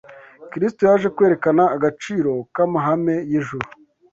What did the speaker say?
Kristo yaje kwerekana agaciro k’amahame y’ijuru